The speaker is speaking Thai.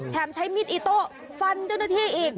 แถมใช้มิดไอ้ต้นฟันเจ้าหน้าที่อีก